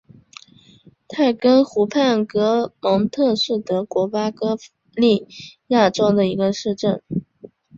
泰根湖畔格蒙特是德国巴伐利亚州的一个市镇。